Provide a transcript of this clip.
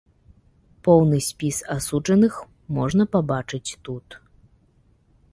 Поўны спіс асуджаных можна пабачыць тут.